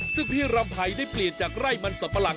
ซึ่งพี่รำไพรได้เปลี่ยนจากไร่มันสับปะหลัง